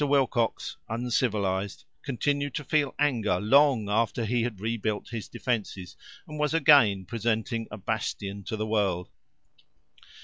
Wilcox, uncivilized, continued to feel anger long after he had rebuilt his defences, and was again presenting a bastion to the world.